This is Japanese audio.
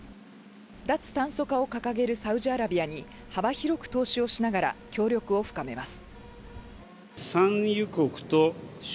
脱炭素化を掲げるサウジアラビアに幅広く投資をしながら、協力を深めます。